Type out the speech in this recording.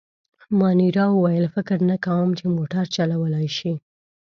مانیرا وویل: فکر نه کوم، چي موټر چلولای شي.